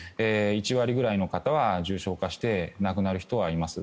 １割ぐらいの方は重症化して亡くなる方もいます。